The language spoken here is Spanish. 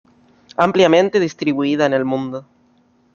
Ampliamente distribuida en el mundo.